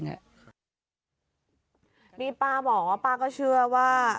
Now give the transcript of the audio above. นี่ป้าบอกว่ีวรู้สึกว่า